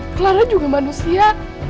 clara juga manusia